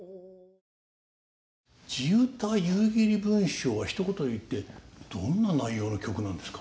地唄「夕霧文章」はひと言で言ってどんな内容の曲なんですか？